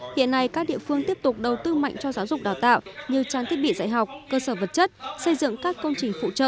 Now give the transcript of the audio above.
hiện nay các địa phương tiếp tục đầu tư mạnh cho giáo dục đào tạo như trang thiết bị dạy học cơ sở vật chất xây dựng các công trình phụ trợ